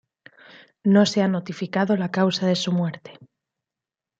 No se ha notificado la causa de su muerte.